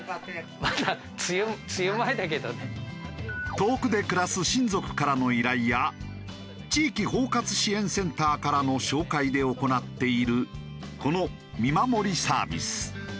遠くで暮らす親族からの依頼や地域包括支援センターからの紹介で行っているこの見守りサービス。